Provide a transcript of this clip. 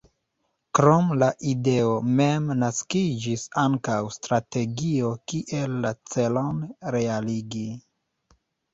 Krom la ideo mem naskiĝis ankaŭ strategio kiel la celon realigi.